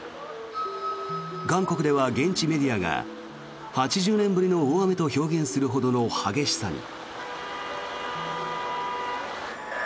韓国では現地メディアが８０年ぶりの大雨と表現するほどの激しさに。